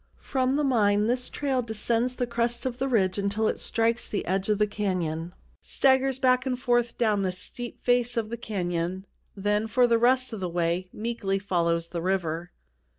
From the mine this trail descends the crest of a ridge until it strikes the edge of the canyon, staggers back and forth down the steep face of the canyon, then for the rest of the way meekly follows the river.